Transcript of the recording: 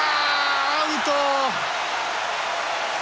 アウト！